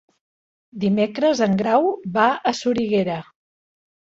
Dimecres en Grau va a Soriguera.